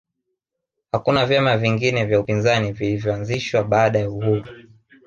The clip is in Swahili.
hakuna vyama vingine vya upinzani vilivyoanzishwa baada ya uhuru